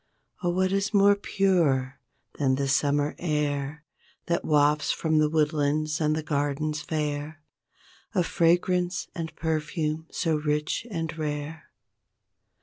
Oh what is more pure than the summer air That wafts from the woodlands and gardens fair A fragrance and perfume so rich and rare?